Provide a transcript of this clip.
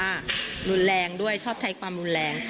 รุนแรงด้วยชอบใช้ความรุนแรง